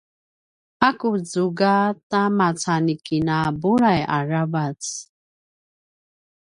a ku zuga ta maca ni kina bulai aravac